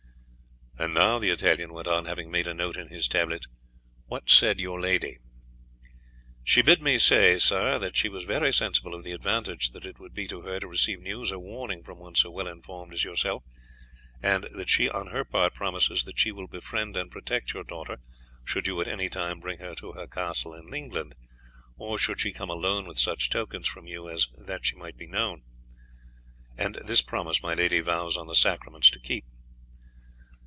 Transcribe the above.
"And now," the Italian went on, having made a note in his tablets, "what said your lady?" "She bid me say, sir, that she was very sensible of the advantage that it would be to her to receive news or warning from one so well informed as yourself; and that she on her part promises that she will befriend and protect your daughter should you at any time bring her to her castle in England, or should she come alone with such tokens from you as that she might be known; and this promise my lady vows on the sacraments to keep."